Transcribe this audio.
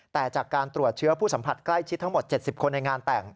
แต่จากการตรวจเชื้อผู้สัมผัสใกล้ชิดทั้งหมด๗๐คนในงานแต่ง